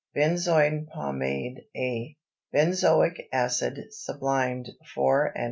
BENZOIN POMADE A. Benzoic acid, sublimed 4¼ oz.